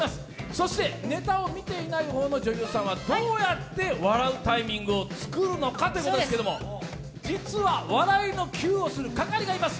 そしてネタを見ていない方の女優さんはどうやって笑うタイミングを作るのかということですけれども、実は笑いのキューをする係がいます。